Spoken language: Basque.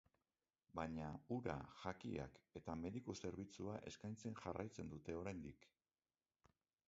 Baina, ura, jakiak eta mediku zerbitzua eskaintzen jarraitzen dute oraindik.